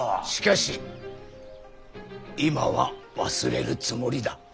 しかし今は忘れるつもりだ。